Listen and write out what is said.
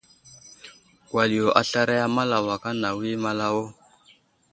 Wal yo aslaray a malawak anawo i malawo.